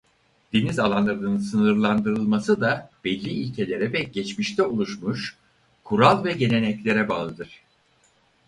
Deniz alanlarının sınırlandırılması da belli ilkelere ve geçmişte oluşmuş kural ve geleneklere bağlıdır.